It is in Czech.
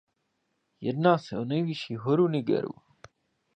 Jedná se o nejvyšší horu Nigeru.